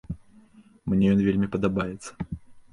Мне ён вельмі падабаецца.